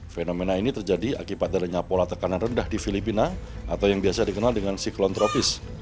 fenomena ini terjadi akibat adanya pola tekanan rendah di filipina atau yang biasa dikenal dengan siklon tropis